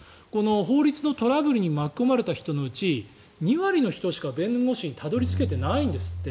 法律のトラブルに巻き込まれた人のうち２割の人しか弁護士にたどり着けていないんですって。